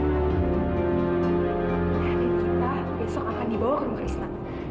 dan kita besok akan dibawa ke rumah krishna